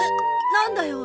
なんだよ。